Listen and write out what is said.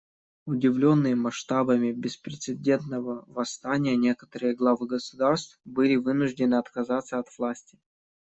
Удивленные масштабами беспрецедентного восстания, некоторые главы государств были вынуждены отказаться от власти.